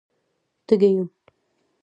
_تږی يم.